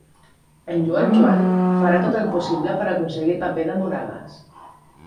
En Joel Joan farà tot el possible per aconseguir el paper de Moragues.